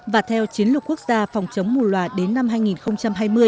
và theo chiến lược quốc gia phòng chống mù loà đến năm hai nghìn hai mươi